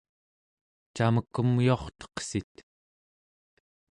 camek umyuarteqsit?